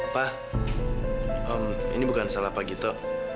pak ini bukan salah pak gito